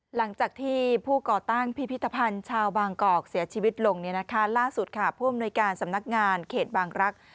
หลังจากที่ผู้ก่อตั้งพิพิธภัณฑ์ชาวบางกอกเสียชีวิตลงเนี่ยนะคะล่าสุดค่ะผู้อำนวยการสำนักงานเขตบางรักษ์